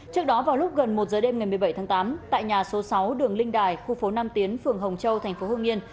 trước đó vào lúc gần một giờ đêm ngày một mươi bảy tháng tám tại nhà số sáu đường linh đài khu phố năm tiến phường hồng châu thành phố hương yên